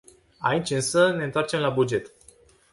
Aici însă ne întoarcem la buget.